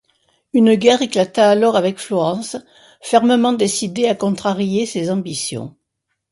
Une guerre éclata alors avec Florence, fermement décidée à contrarier ses ambitions.